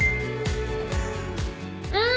うん！